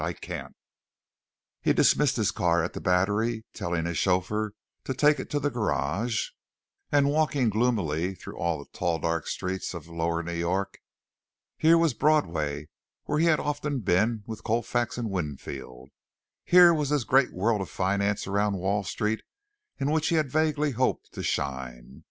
I can't!" He dismissed his car at the Battery, telling his chauffeur to take it to the garage, and walking gloomily through all the tall dark streets of lower New York. Here was Broadway where he had often been with Colfax and Winfield. Here was this great world of finance around Wall Street in which he had vaguely hoped to shine.